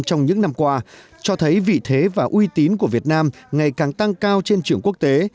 trong những năm qua cho thấy vị thế và uy tín của việt nam ngày càng tăng cao trên trường quốc tế